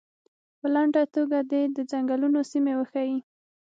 په لنډه توګه دې د څنګلونو سیمې وښیي.